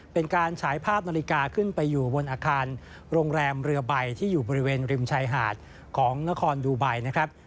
เป็นการฉายภาพนาฬิกาขึ้นไปอยู่บนอาคารโรงแรมเรือใบที่อยู่บริเวณริมชายหาดของนครดูไบนะครับ